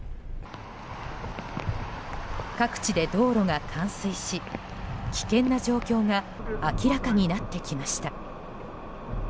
各地で道路が冠水し危険な状況が明らかになってきました。